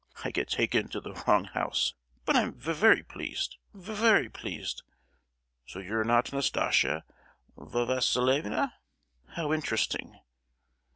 I get taken to the wrong house; but I'm v—very pleased, v—very pleased! So you're not Nastasia Va—silievna? How interesting."